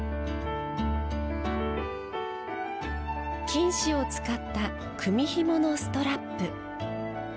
金糸を使った組紐のストラップ。